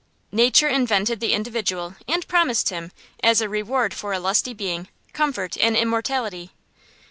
Nature invented the individual, and promised him, as a reward for lusty being, comfort and immortality.